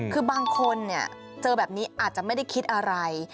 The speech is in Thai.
คือบางคนเจอแบบนี้อาจจะไม่ได้คิดอะไร